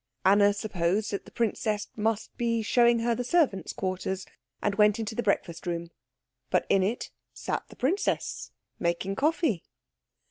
Anna supposed that the princess must be showing her the servants' quarters, and went into the breakfast room; but in it sat the princess, making coffee.